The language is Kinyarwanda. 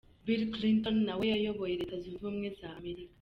Bill Clinton nawe wayoboye Leta Zunze Ubumwe za Amerika.